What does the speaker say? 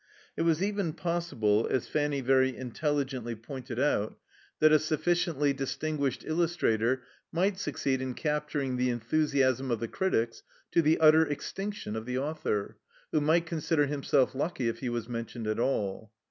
It was even possible, as Fanny very intelligently pointed out, that a sufficiently distinguished illustrator might succeed in capturing the enthusiasm of the critics to the utter extinction of the author, who might consider himself lucky if he was mentioned at all.